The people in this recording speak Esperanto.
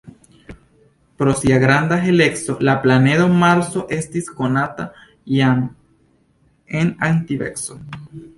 Pro sia granda heleco la planedo Marso estis konata jam en antikveco.